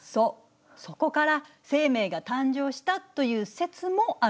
そこから生命が誕生したという説もあるの。